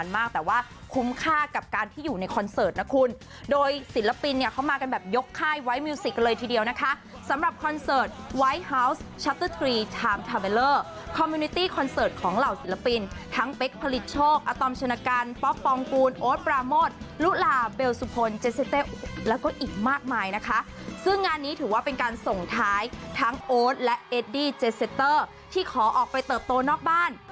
มากมายนะคะซึ่งงานนี้ถือว่าเป็นการส่งท้ายทั้งโอ๊ตและเอดดี้เจสเตอร์ที่ขอออกไปเติบโตนอกบ้าน